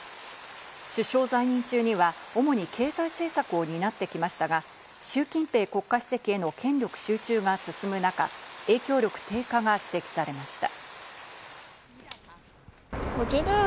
首相在任中には主に経済政策を担ってきましたが、シュウ・キンペイ国家主席への権力集中が進む中、影響力低下が指摘されました。